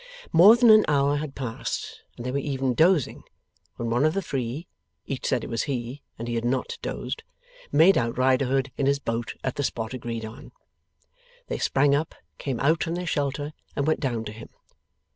More than an hour had passed, and they were even dozing, when one of the three each said it was he, and he had NOT dozed made out Riderhood in his boat at the spot agreed on. They sprang up, came out from their shelter, and went down to him.